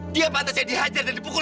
dia patut jadi hajar dan dipukul